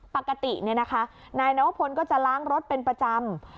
ปกตินายนวพลก็จะล้างรถเป็นประจำ